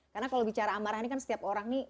karena kalau bicara amarah ini kan setiap orang ini